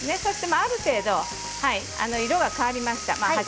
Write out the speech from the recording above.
ある程度、色が変わりました。